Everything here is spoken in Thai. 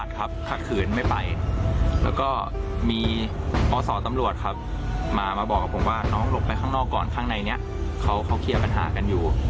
ดอกแขนแล้วก็มีคนนึงในจริงครับ